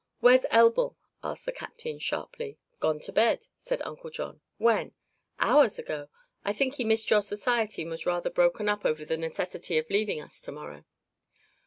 "Where's Elbl?" asked the captain sharply. "Gone to bed," said Uncle John. "When?" "Hours ago. I think he missed your society and was rather broken up over the necessity of leaving us to morrow."